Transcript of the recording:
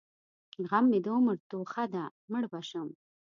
غم مې د عمر توښه ده؛ مړ به شم.